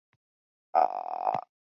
富热罗勒人口变化图示